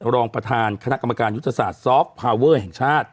รองประธานคณะกรรมการยุทธศาสตร์ซอฟต์พาเวอร์แห่งชาติ